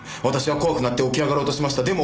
私は怖くなって起き上がろうとしました。